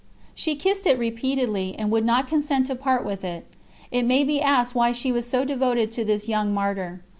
She kissed it repeatedly, and would not consent to part with it. It may be asked why she was so devoted to this young Martyr.